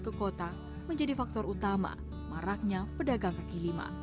ke kota menjadi faktor utama maraknya pedagang kaki lima